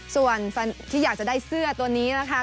ส่วนที่อยากจะได้เสื้อตัวนี้นะคะ